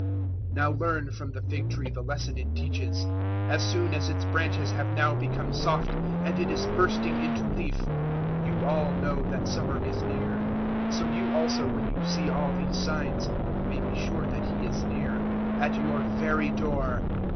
024:032 "Now learn from the fig tree the lesson it teaches. As soon as its branches have now become soft and it is bursting into leaf, you all know that summer is near. 024:033 So you also, when you see all these signs, may be sure that He is near at your very door.